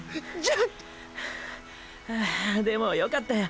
ああでもよかったよ。